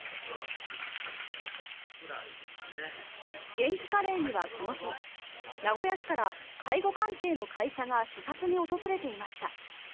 げんきカレーにはこの日名古屋市から介護関係の会社が視察に訪れていました。